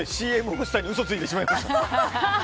ＣＭ欲しさに嘘をついてしまいました。